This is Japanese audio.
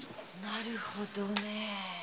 なるほどね。